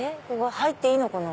入っていいのかな？